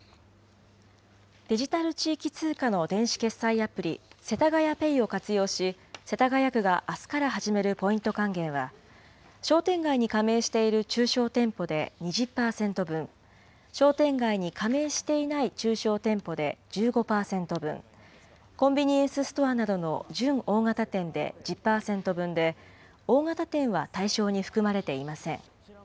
デジタル地域通貨の電子決済アプリ、せたがやＰａｙを活用し、世田谷区があすから始めるポイント還元は、商店街に加盟している中小店舗で２０％分、商店街に加盟していない中小店舗で１５％分、コンビニエンスストアなどの準大型店で１０％分で、大型店は対象に含まれていません。